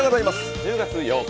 １０月８日